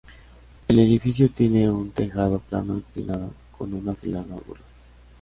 El edificio tiene un tejado plano inclinado con un afilado ángulo.